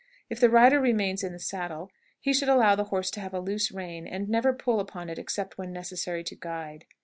If the rider remains in the saddle, he should allow the horse to have a loose rein, and never pull upon it except when necessary to guide.